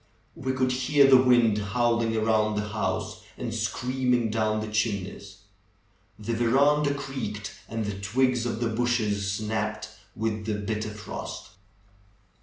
We could hear the wind howling around the house and screaming down the chimneys. The veranda creaked, and the twigs of the bushes snapped with the bitter frost.